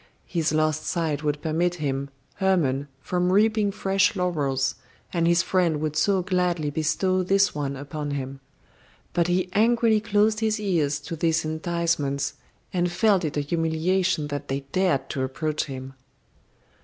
His lost sight would permit him, Hermon, from reaping fresh laurels, and his friend would so gladly bestow this one upon him. But he angrily closed his ears to these enticements, and felt it a humiliation that they dared to approach him.